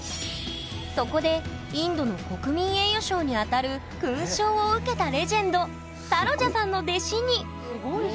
そこでインドの国民栄誉賞に当たる勲章を受けたレジェンドサロジャさんの弟子にすご。